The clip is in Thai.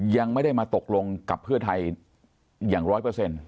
ยังไม่ได้มาตกลงกับเพื่อไทยอย่างร้อยเปอร์เซ็นต์